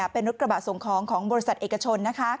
เป็นรถกระบะส่งของของบริษัทเอกชน